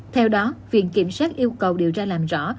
theo đó viện kiểm sát yêu cầu điều tra làm rõ